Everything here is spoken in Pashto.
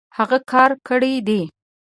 هغۀ کار کړی دی